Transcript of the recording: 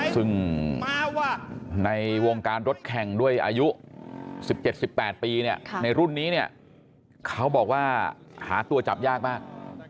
ซึ่งในวงการรถแข่งด้วยอายุ๑๗๑๘ปีเนี่ยในรุ่นนี้เนี่ยเขาบอกว่าหาตัวจับยากมาก